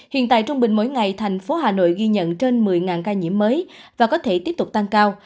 hiện tại trung bình mỗi ngày thành phố hà nội ghi nhận trên một mươi ca nhiễm mới và có thể tiếp tục tăng cao